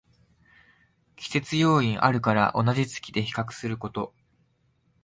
季節要因あるから同じ月で比較すること